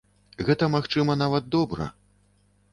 Гэта, магчыма, нават добра.